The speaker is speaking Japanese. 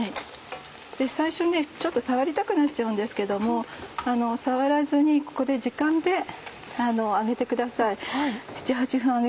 最初ねちょっと触りたくなっちゃうんですけども触らずにここで時間で揚げてください。